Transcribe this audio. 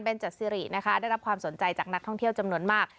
เป็นจัดสิรินะคะได้รับความสนใจจากนักท่องเที่ยวจำนวนมาก